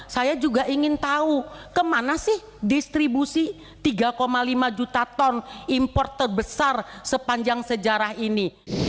saya juga ingin tahu kemana sih distribusi tiga lima juta ton import terbesar sepanjang sejarah ini